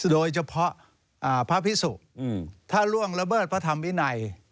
โดยเฉพาะพระพิสุถ้าล่วงระเบิดพระธรรมวินัย